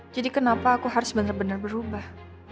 jadi kenapa aku harus bener bener berubah